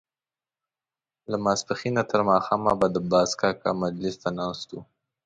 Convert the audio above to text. له ماسپښينه تر ماښامه به د باز کاکا مجلس ته ناست وو.